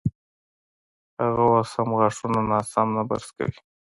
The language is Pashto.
هغه اوس هم غاښونه ناسم نه برس کوي.